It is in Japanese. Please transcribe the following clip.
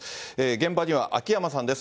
現場には秋山さんです。